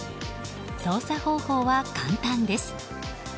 操作方法は簡単です。